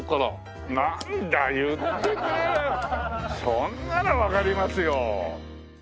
それならわかりますよ！